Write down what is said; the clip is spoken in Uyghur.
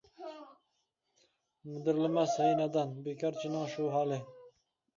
مىدىرلىماس ھەي نادان، بىكارچىنىڭ شۇ ھالى.